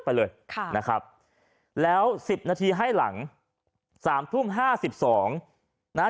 ไปเลยค่ะนะครับแล้วสิบนาทีให้หลังสามทุ่มห้าสิบสองนะฮะ